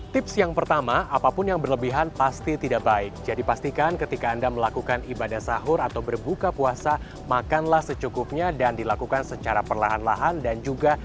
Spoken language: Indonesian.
tips yang pertama apapun yang berlebihan pasti tidak baik jadi pastikan ketika anda melakukan ibadah sahur atau berbuka puasa makanlah secukupnya dan dilakukan secara perlahan lahan dan juga